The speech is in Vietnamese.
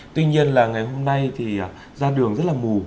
tuy nhiên là ngày hôm nay thì ra đường rất là mù